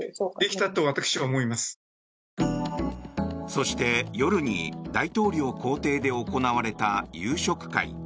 そして、夜に大統領公邸で行われた夕食会。